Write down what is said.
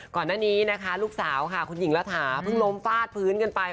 ก่อนหน้านี้นะคะลูกสาวค่ะคุณหญิงระถาเพิ่งล้มฟาดพื้นกันไป